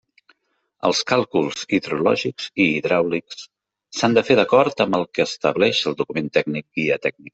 Els càlculs hidrològics i hidràulics s'han de fer d'acord amb el que estableix el document tècnic Guia tècnica.